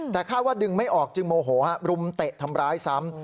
แต่คาดว่าดึงไม่ออกจึงโมโหรุมเตะทำร้ายซ้ำ